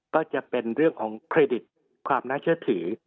ก็จะเป็นเรื่องของเครดิตความน่าเชื่อถือ